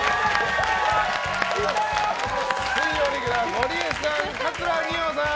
水曜レギュラー、ゴリエさん桂二葉さん！